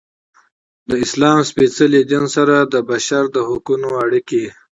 د اسلام سپیڅلي دین سره د بشر د حقونو اړیکې.